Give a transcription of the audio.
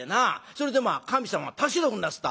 それでまあ神様は助けておくんなすった」。